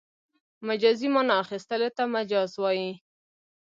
مجازي مانا اخستلو ته مجاز وايي.